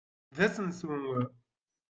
D asensu.